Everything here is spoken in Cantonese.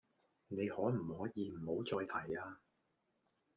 你可唔可以唔好再提呀